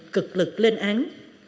cực lực lên án